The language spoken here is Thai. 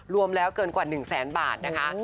รวมแล้วเกินกว่า๑แสนบาทนะคะ